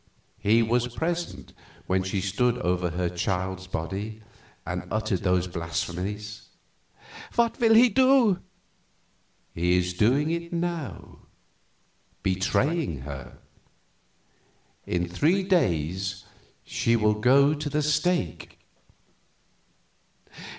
He was present when she stood over her child's body and uttered those blasphemies." "What will he do?" "He is doing it now betraying her. In three days she will go to the stake."